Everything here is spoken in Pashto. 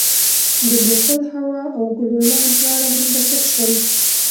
د بوتل هوا او ګلوله دواړه منبسط شول.